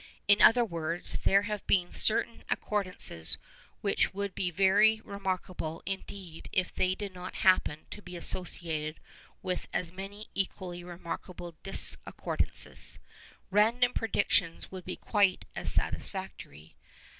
In other words, there have been certain accordances which would be very remarkable indeed if they did not happen to be associated with as many equally remarkable discordances. Random predictions would be quite as satisfactory.